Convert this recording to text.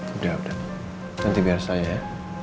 udah udah nanti biar saya ya